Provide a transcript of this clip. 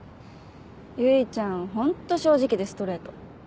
唯ちゃんホント正直でストレート。